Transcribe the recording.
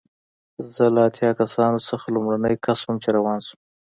زه له اتیا کسانو څخه لومړنی کس وم چې روان شوم.